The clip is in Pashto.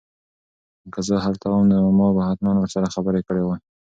که زه هلته وم نو ما به حتماً ورسره خبرې کړې وای.